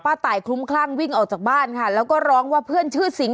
ตายคลุ้มคลั่งวิ่งออกจากบ้านค่ะแล้วก็ร้องว่าเพื่อนชื่อสิง